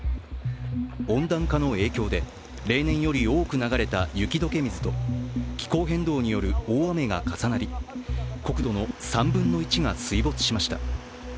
温暖化の影響で例年より多く流れた雪解け水と気候変動による大雨が重なり国土の３分の１が水没しました。